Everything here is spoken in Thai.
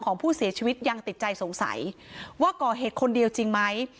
ของผู้เสียชีวิตยังติดใจสงสัยว่าก่อเหตุคนเดียวจริงไหม